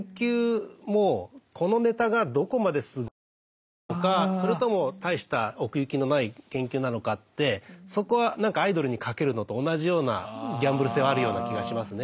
アイドルもそれとも大した奥行きのない研究なのかってそこは何かアイドルにかけるのと同じようなギャンブル性はあるような気がしますね。